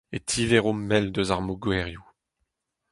e tivero mel eus ar mogerioù